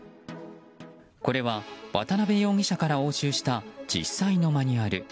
これは渡辺容疑者から押収した実際のマニュアル。